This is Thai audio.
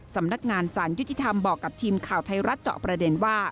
สำนักงานสารยุติธรรมบอกกับทีมข่าวไทยรัฐเจาะประเด็นว่า